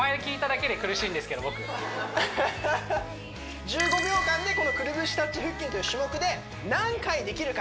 もうアハハハッ１５秒間でこのくるぶしタッチ腹筋という種目で何回できるか